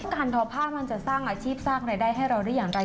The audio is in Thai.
ทอผ้ามันจะสร้างอาชีพสร้างรายได้ให้เราได้อย่างไร